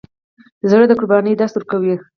زړه د قربانۍ درس ورکوي.